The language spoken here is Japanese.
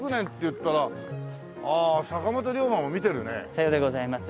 さようでございます。